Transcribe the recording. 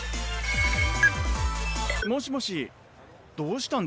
もしもしどうしたんです？